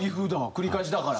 繰り返しだから。